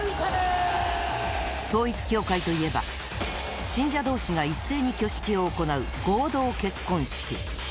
統一教会といえば信者同士が一斉に挙式を行う合同結婚式。